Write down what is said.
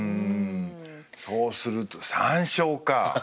そうすると３勝か。